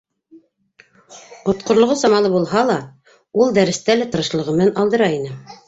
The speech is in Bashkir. Отҡорлоғо самалы булһа ла, ул дәрестә лә тырышлығы менән алдыра ине.